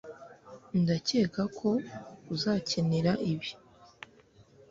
ndakeka ko uzakenera ibi